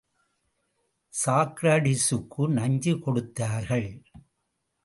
சாக்கிரடீசுக்கு நஞ்சு கொடுத்தார்கள்.